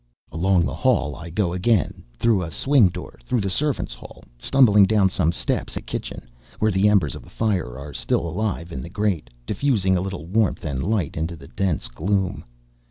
Along the hall I go again, through a swing door, through the servants' hall, stumbling down some steps into the kitchen, where the embers of the fire are still alive in the grate, diffusing a little warmth and light into the dense gloom.